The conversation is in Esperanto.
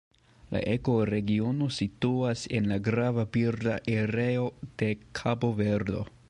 La ekoregiono situas en la grava birda areo de Kabo-Verdo.